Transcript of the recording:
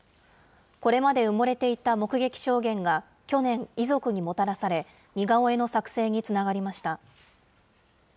これまで埋もれていた目撃証言が去年、遺族にもたらされ、似顔絵の作成につながりました。